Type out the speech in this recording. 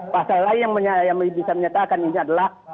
pasal lain yang bisa menyatakan ini adalah